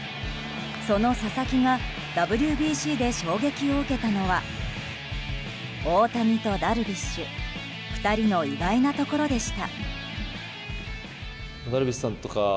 その佐々木がＷＢＣで衝撃を受けたのは大谷とダルビッシュ２人の意外なところでした。